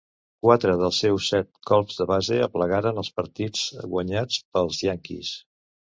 Quatre dels seus set colps de base aplegaren als partits guanyats pels Yankees.